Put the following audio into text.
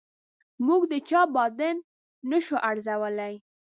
موږ د چا باطن نه شو ارزولای.